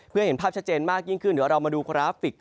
เพื่อเห็นภาพชัดเจนมากยิ่งขึ้นเดี๋ยวเรามาดูกราฟิก